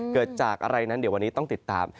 เกิดจากอะไรนั้นเดี๋ยววันนี้ต้องติดตาม